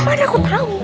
mana aku tau